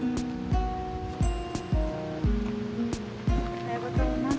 おはようございます。